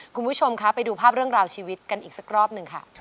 คุณผู้ชมคะไปดูภาพเรื่องราวชีวิตกันอีกสักรอบหนึ่งค่ะ